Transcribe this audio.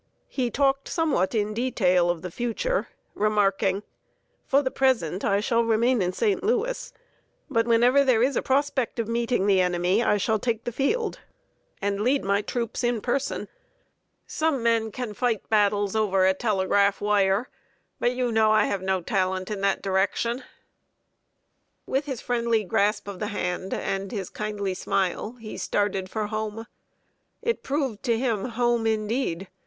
He talked somewhat in detail of the future, remarking, "For the present, I shall remain in St. Louis; but whenever there is a prospect of meeting the enemy, I shall take the field, and lead my troops in person. Some men can fight battles over a telegraph wire, but you know I have no talent in that direction." With his friendly grasp of the hand, and his kindly smile, he started for home. It proved to him Home indeed.